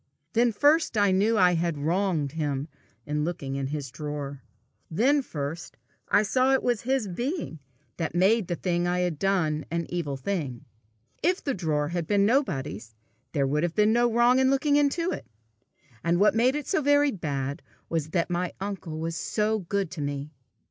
Then first I knew that I had wronged him in looking into his drawer; then first I saw it was his being that made the thing I had done an evil thing. If the drawer had been nobody's, there would have been no wrong in looking into it! And what made it so very bad was that my uncle was so good to me!